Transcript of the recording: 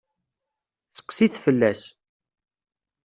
Seqsi-t fell-as.